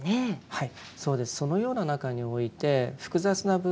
はい。